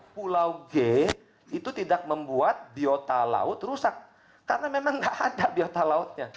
pulau g itu tidak membuat biota laut rusak karena memang tidak ada biota lautnya